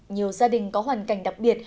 nhiều gia đình có hoàn cảnh đặc biệt